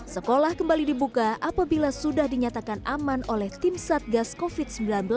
sekolah kembali dibuka apabila sudah dinyatakan aman oleh tim satgas covid sembilan belas